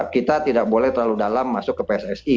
kita tidak boleh terlalu dalam masuk ke pssi